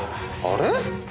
あれ？